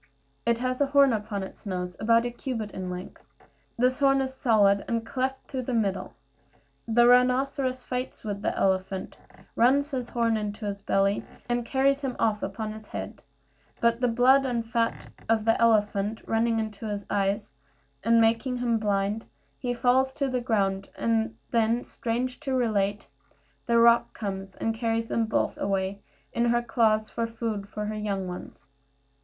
It has a horn upon its nose, about a cubit in length; this horn is solid, and cleft through the middle. The rhinoceros fights with the elephant, runs his horn into his belly, and carries him off upon his head; but the blood and the fat of the elephant running into his eyes and making him blind, he falls to the ground; and then, strange to relate, the roc comes and carries them both away in her claws for food for her young ones.